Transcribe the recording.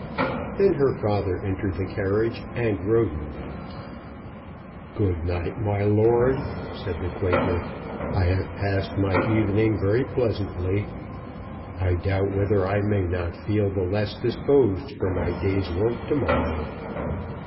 Then her father entered the carriage, and Roden. "Good night, my lord," said the Quaker. "I have passed my evening very pleasantly. I doubt whether I may not feel the less disposed for my day's work to morrow."